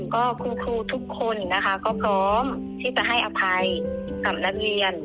ก็คุณครูทุกคนนะคะก็พร้อมที่จะให้อภัยกับนักเรียน